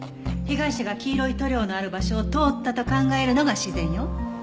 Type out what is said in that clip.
被害者が黄色い塗料のある場所を通ったと考えるのが自然よ。